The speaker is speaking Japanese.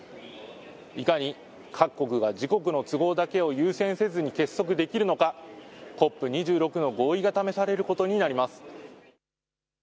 いかに各国が自国の都合だけを優先せずに結束できるのかＣＯＰ２６の合意が試されることになります。